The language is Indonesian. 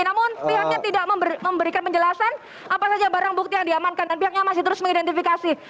namun pihaknya tidak memberikan penjelasan apa saja barang bukti yang diamankan dan pihaknya masih terus mengidentifikasi